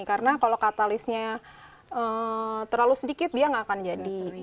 karena kalau katalisnya terlalu sedikit dia nggak akan jadi